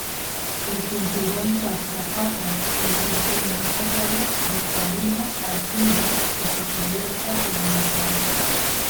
El cinturón Tatra-Fatra consiste en un zócalo cristalino alpino y su cubierta sedimentaria.